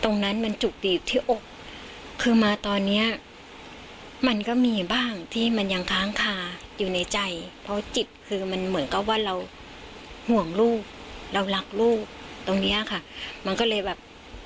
ตรงนั้นมันจุกดีอยู่ที่อกคือมาตอนเนี้ยมันก็มีบ้างที่มันยังค้างคาอยู่ในใจเพราะจิตคือมันเหมือนกับว่าเราห่วงลูกเรารักลูกตรงเนี้ยค่ะมันก็เลยแบบ